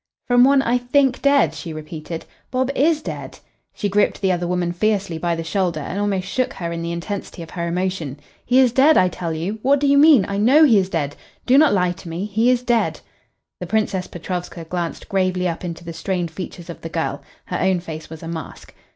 "From one I think dead!" she repeated. "Bob is dead." She gripped the other woman fiercely by the shoulder and almost shook her in the intensity of her emotion. "He is dead, I tell you. What do you mean? I know he is dead. Do not lie to me. He is dead." The Princess Petrovska glanced gravely up into the strained features of the girl. Her own face was a mask.